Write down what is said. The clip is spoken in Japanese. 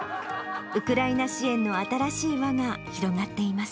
ウクライナ支援の新しい輪が広がっています。